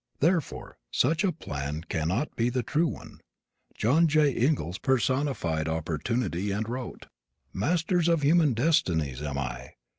Therefore such a plan cannot be the true one. John J. Ingalls personified opportunity and wrote: Master of human destinies am I!